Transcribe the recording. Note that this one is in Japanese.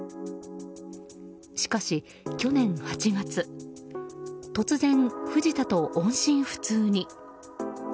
しかし去年８月突然、藤田と音信不通に。